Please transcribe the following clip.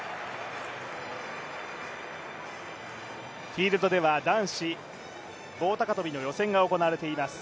フィールドでは男子棒高跳の予選が行われています。